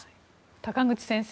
高口先生